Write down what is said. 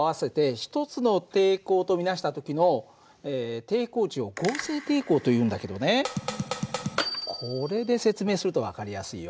１つの抵抗と見なした時の抵抗値を合成抵抗というんだけどねこれで説明すると分かりやすいよ。